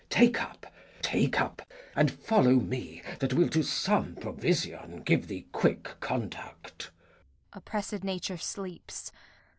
Take up, take up! And follow me, that will to some provision Give thee quick conduct. Kent. Oppressed nature sleeps.